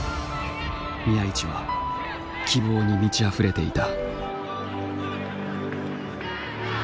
宮市は希望に満ちあふれていた。